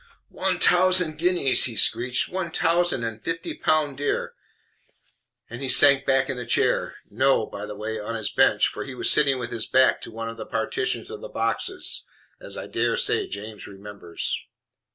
"One tausend guineas!" he screeched. "One tausend and fifty pound dere!" and he sank back in his chair no, by the way, on his bench, for he was sitting with his back to one of the partitions of the boxes, as I dare say James remembers.